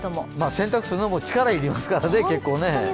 洗濯するのも力いりますからね、結構ね。